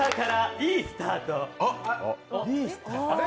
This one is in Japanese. いいスタート！